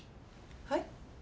はい？